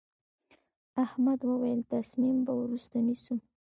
احمد وويل: تصمیم به وروسته نیسم.